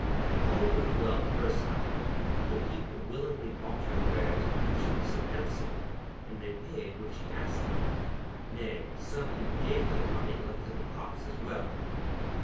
All went well the first time. The people willingly bought her wares because she was so handsome, and they paid what she asked them nay, some even gave her the money and left her the pots as well.